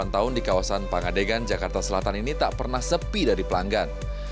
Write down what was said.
delapan tahun di kawasan pangadegan jakarta selatan ini tak pernah sepi dari pelanggan